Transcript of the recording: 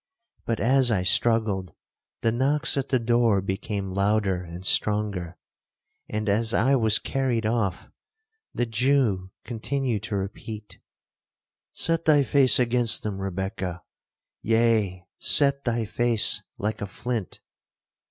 But, as I struggled, the knocks at the door became louder and stronger; and, as I was carried off, the Jew continued to repeat, 'Set thy face against them, Rebekah; yea, set thy face like a flint.'